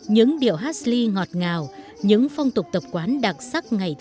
những điệu hát sli ngọt ngào những phong tục tập quán đặc sắc ngày tết